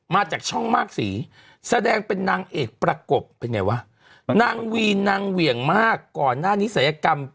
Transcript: มาจากช่องมากสีแสดงเป็นนางเอกประกบเป็นไงวะนางวีนนางเหวี่ยงมากก่อนหน้านี้ศัยกรรม